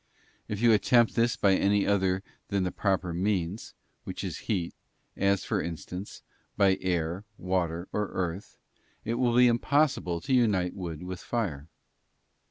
If you attempt this by any other than the proper means, which is heat, as, for instance, by air, water, or earth, it will be impossible to unite wood with fire.